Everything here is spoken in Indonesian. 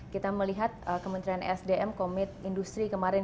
kita melihat kementerian sdm komit industri kemarin